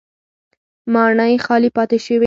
ماڼۍ خالي پاتې شوې.